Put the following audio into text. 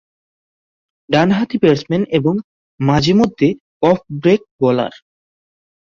ডানহাতি ব্যাটসম্যান এবং মাঝেমধ্যে অফ-ব্রেক বোলার।